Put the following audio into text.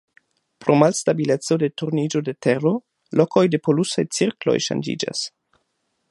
Pro malstabileco de turniĝo de Tero lokoj de polusaj cirkloj ŝanĝiĝas.